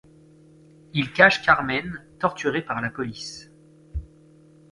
Il cache Carmen, torturée par la police.